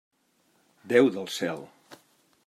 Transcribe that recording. Déu del cel!